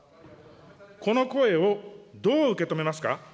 この声をどう受け止めますか。